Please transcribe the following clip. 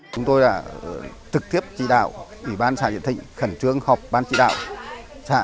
chúng tôi là trực tiếp chỉ đạo ủy ban xã diễn thịnh khẩn trương học ban chỉ đạo xã